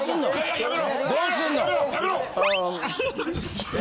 やめろ！